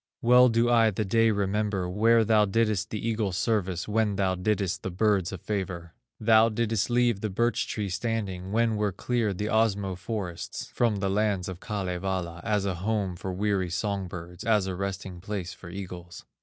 Well do I the day remember Where thou didst the eagle service, When thou didst the birds a favor. Thou didst leave the birch tree standing, When were cleared the Osmo forests, From the lands of Kalevala, As a home for weary song birds, As a resting place for eagles."